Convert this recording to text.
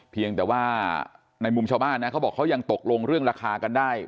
เพียงแต่ว่าในมุมชาวบ้านนะเขาบอกเขายังตกลงเรื่องราคากันได้